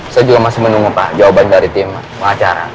saya juga masih menunggu pak jawaban dari tim pengacara